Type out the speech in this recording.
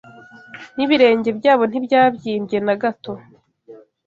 n’ibirenge byabo ntibyabyimbye na gato